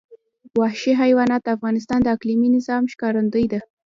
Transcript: وحشي حیوانات د افغانستان د اقلیمي نظام ښکارندوی ده.